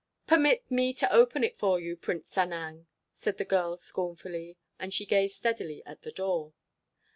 "Permit me to open it for you, Prince Sanang," said the girl scornfully. And she gazed steadily at the door.